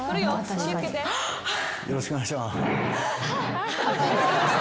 よろしくお願いします。